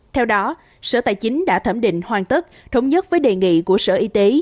theo đó sở tài chính đã thẩm định hoàn tất thống nhất với đề nghị của sở y tế